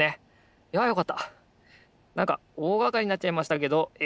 なんかおおがかりになっちゃいましたけどえ